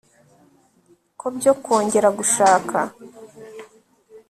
ko byo kongera gushaka